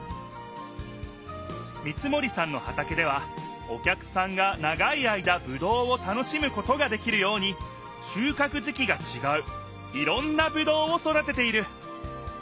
三森さんの畑ではお客さんが長い間ぶどうを楽しむことができるようにしゅうかく時期がちがういろんなぶどうを育てている。